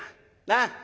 なあ。